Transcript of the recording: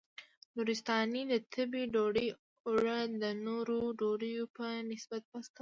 نورستانۍ د تبۍ ډوډۍ اوړه د نورو ډوډیو په نسبت پاسته وي.